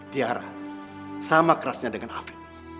tiara sama kerasnya dengan alvin